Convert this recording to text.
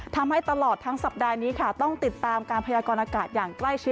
ทำให้ตลอดทั้งสัปดาห์นี้ค่ะต้องติดตามการพยากรณากาศอย่างใกล้ชิด